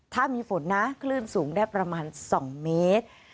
ถ้ามีฝนนะคลื่นสูงได้ประมาณ๒เมตร